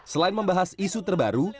selain membahas isu terbaru